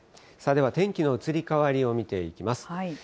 さあでは、天気の移り変わりを見ていきます。